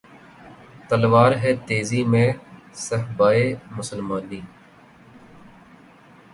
تلوار ہے تیزی میں صہبائے مسلمانی